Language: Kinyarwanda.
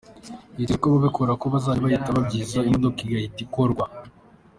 Hitezwe ko abikorera bo bajya bahita babyihutsha, imodoka igahita ikorwa.